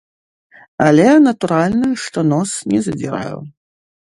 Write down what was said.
Але, натуральна, што нос не задзіраю.